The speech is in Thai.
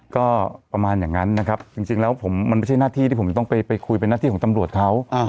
ก็ประมาณอย่างนั้นนะครับจริงแล้วผมมันไม่ใช่หน้าที่ที่ผมต้องไปคุยเป็นหน้าที่ของตำรวจเขา